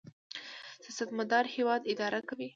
سیاستمدار هیواد اداره کوي